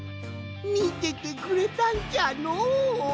みててくれたんじゃのう。